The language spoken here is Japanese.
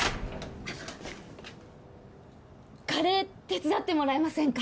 カレー手伝ってもらえませんか？